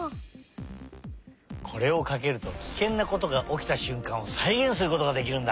これをかけるとキケンなことがおきたしゅんかんをさいげんすることができるんだ！